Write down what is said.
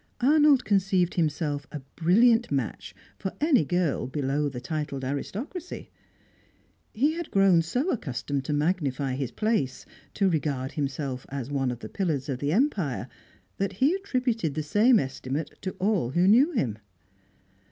Arnold conceived himself a brilliant match for any girl below the titled aristocracy; he had grown so accustomed to magnify his place, to regard himself as one of the pillars of the Empire, that he attributed the same estimate to all who knew him.